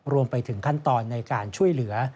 รวมไปถึงขั้นตอนในการช่วยเหลือ